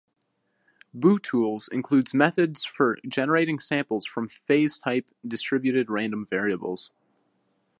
"BuTools" includes methods for generating samples from phase-type distributed random variables.